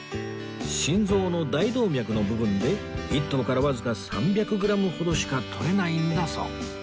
心臓の大動脈の部分で１頭からわずか３００グラムほどしか取れないんだそう